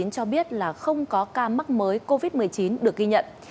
cho biết là không có ca mắc mới covid một mươi chín được ghi nhận